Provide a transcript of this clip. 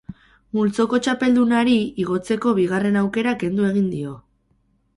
Multzoko txapeldunari, igotzeko bigarren aukera kendu egin dio.